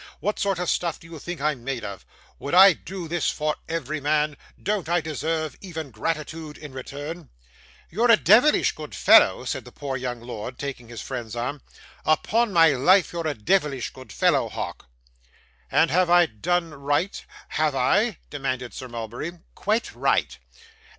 What sort of stuff do you think I'm made of? Would I do this for every man? Don't I deserve even gratitude in return?' 'You're a deyvlish good fellow,' said the poor young lord, taking his friend's arm. 'Upon my life you're a deyvlish good fellow, Hawk.' 'And I have done right, have I?' demanded Sir Mulberry. 'Quite ri ght.